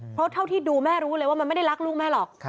เพราะเท่าที่ดูแม่รู้เลยว่ามันไม่ได้รักลูกแม่หรอก